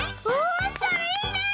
おそれいいね！